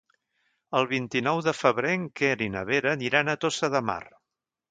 El vint-i-nou de febrer en Quer i na Vera aniran a Tossa de Mar.